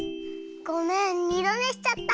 ごめんにどねしちゃった。